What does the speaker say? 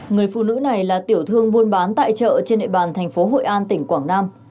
người phụ nữ này là tiểu thương buôn bán tại chợ trên địa bàn thành phố hội an tỉnh quảng nam